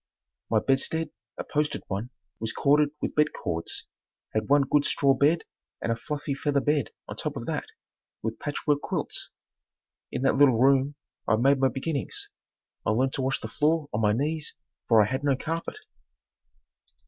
My bedstead, a posted one, was corded with bed cords, had one good straw bed and a fluffy feather bed on top of that, with patch work quilts. In that little room I made many beginnings. I learned to wash the floor on my knees for I had no carpet.